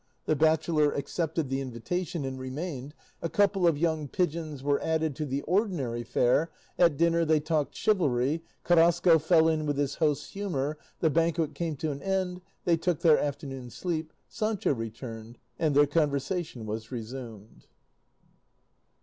The bachelor accepted the invitation and remained, a couple of young pigeons were added to the ordinary fare, at dinner they talked chivalry, Carrasco fell in with his host's humour, the banquet came to an end, they took their afternoon sleep, Sancho returned, and their conversation was resumed.